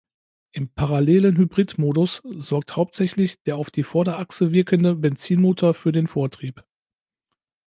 Im parallelen Hybrid-Modus sorgt hauptsächlich der auf die Vorderachse wirkende Benzinmotor für den Vortrieb.